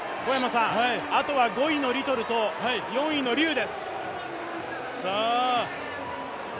あとは５位のリトルと４位の劉です。